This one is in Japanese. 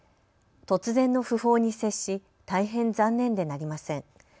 突然の訃報に接し大変残念でなりません。